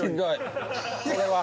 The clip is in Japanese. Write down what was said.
これは。